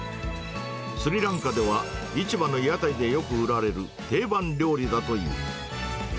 スリランカでは、市場の屋台でよく売られる定番料理だという。